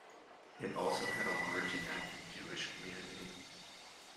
It also had a large and active Jewish community.